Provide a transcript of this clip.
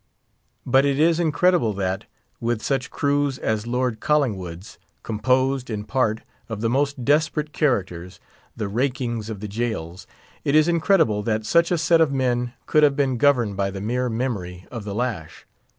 But it is incredible that, with such crews as Lord Collingwood's—composed, in part, of the most desperate characters, the rakings of the jails—it is incredible that such a set of men could have been governed by the mere memory of the lash.